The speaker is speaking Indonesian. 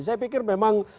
saya pikir memang